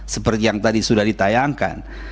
seperti yang tadi sudah ditayangkan